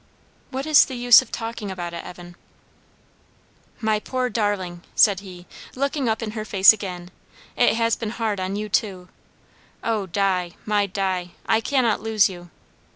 "What is the use of talking about it, Evan?" "My poor darling!" said he, looking up in her face again "it has been hard on you too. Oh Di, my Di! I cannot lose you!"